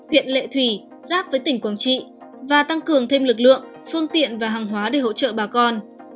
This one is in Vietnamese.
huyện lệ thủy giáp với tỉnh quảng trị và tăng cường thêm lực lượng phương tiện và hàng hóa để hỗ trợ bà con